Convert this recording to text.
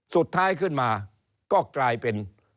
สุดท้ายขึ้นมาก็กลายเป็น